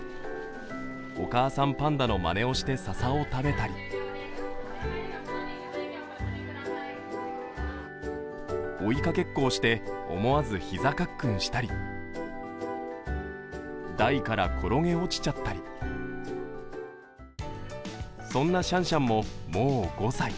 お母さんパンダのまねをして笹を食べたり追いかけっこをして思わず膝かっくんしたり、台から転げ落ちちゃったりそんなシャンシャンも、もう５歳。